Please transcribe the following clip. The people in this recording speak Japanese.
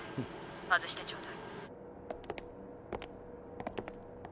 外してちょうだい。